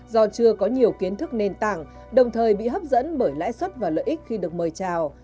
do chưa có nhiều kiến thức nền tảng đồng thời bị hấp dẫn bởi lãi suất và lợi ích khi được mời trào